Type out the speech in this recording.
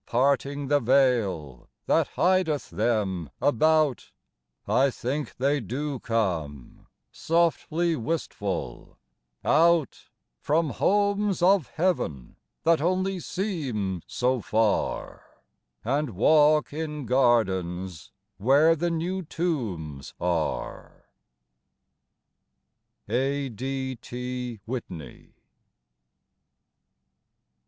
Parting the veil that hideth them about, I think they do come, softly wistful, out From homes of Heaven that only seem so far, And walk in gardens where the new tombs are. A. D. T. Whitney.